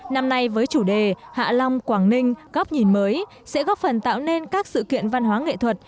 năm nay với chủ đề hạ long quảng ninh góc nhìn mới sẽ góp phần tạo nên các sự kiện văn hóa nghệ thuật